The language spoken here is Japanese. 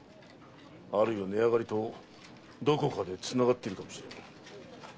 あるいは値上がりとどこかでつながってるかもしれん。